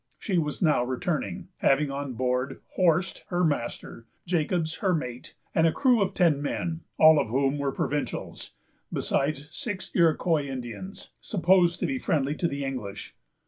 She was now returning, having on board Horst, her master, Jacobs, her mate, and a crew of ten men, all of whom were provincials, besides six Iroquois Indians, supposed to be friendly to the English.